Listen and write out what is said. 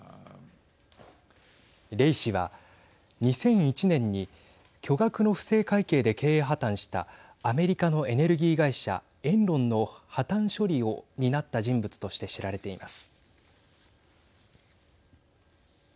レイ氏は２００１年に巨額の不正会計で経営破綻したアメリカのエネルギー会社エンロンの破綻処理を担った人物として知られています。